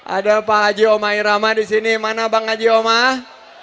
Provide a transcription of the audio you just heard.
ada pak haji omairama disini mana bang haji omah